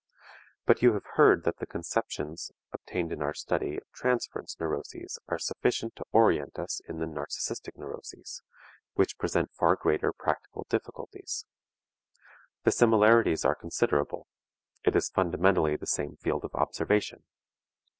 But you have heard that the conceptions obtained in our study of transference neuroses are sufficient to orient us in the narcistic neuroses, which present far greater practical difficulties. The similarities are considerable; it is fundamentally the same field of observation.